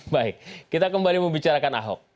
baik kita kembali membicarakan ahok